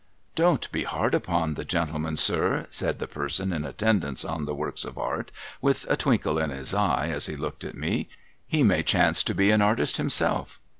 ' Don't be hard upon the gentleman, sir,' said the person in attendance on the works of art, with a twinkle in his eye as he looked at me ;' he may chance to be an artist himself.